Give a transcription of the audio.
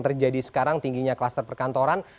terjadi sekarang tingginya kluster perkantoran